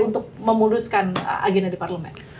untuk memuluskan agenda di parlemen